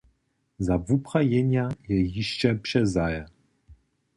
Za wuprajenja je hišće přezahe.